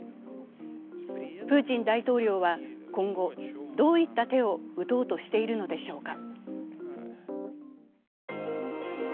プーチン大統領は今後、どういった手を打とうとしているのでしょうか。